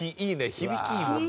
響きいいもんな。